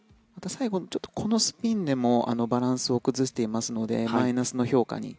最後にちょっと、このスピンでもバランスを崩していますのでマイナスの評価に。